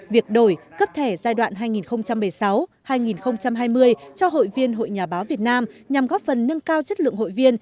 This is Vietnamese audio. việc đổi cấp thẻ giai đoạn hai nghìn một mươi sáu hai nghìn hai mươi cho hội viên hội nhà báo việt nam nhằm góp phần nâng cao chất lượng hội viên